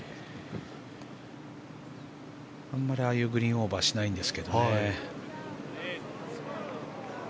あんまりああいうグリーンオーバーしないんですけどね。